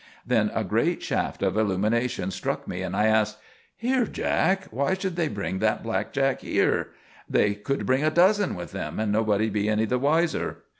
Then a great shaft of illumination struck me and I asked: "Here, Jack; why should they bring that blackjack here? They could bring a dozen with them and nobody be any the wiser."